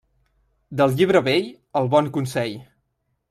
Del llibre vell, el bon consell.